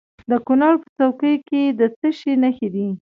د کونړ په څوکۍ کې د څه شي نښې دي؟